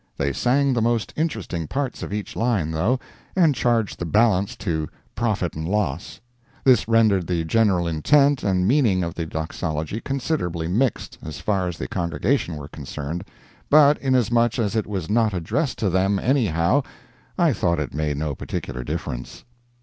They sang the most interesting parts of each line, though, and charged the balance to "profit and loss;" this rendered the general intent and meaning of the doxology considerably mixed, as far as the congregation were concerned, but inasmuch as it was not addressed to them, anyhow, I thought it made no particular difference.